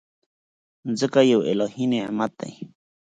مځکه یو الهي نعمت دی.